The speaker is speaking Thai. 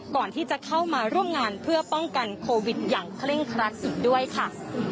ก่อนที่จะเข้ามาร่วมงานเพื่อป้องกันโควิดอย่างเคร่งครัดอีกด้วยค่ะ